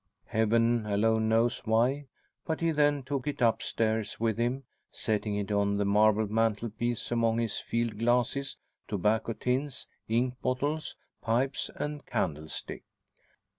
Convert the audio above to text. Heaven alone knows why, but he then took it upstairs with him, setting it on the marble mantelpiece among his field glasses, tobacco tins, ink bottles, pipes and candlestick.